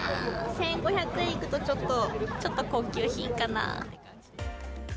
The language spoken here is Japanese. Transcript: １５００円いくと、ちょっとちょっと、高級品かなって感じですかね。